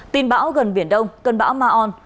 tin bão gần biển đông cơn bão ma on